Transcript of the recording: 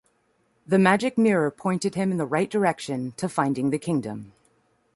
The magic mirror pointed him in the right direction to finding the kingdom.